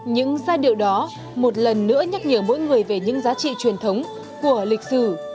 những giai điệu đó một lần nữa nhắc nhở mỗi người về những giá trị truyền thống của lịch sử